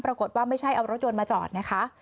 ปรากฏว่าไม่ใช่เอารถยนต์มาจอดนะคะ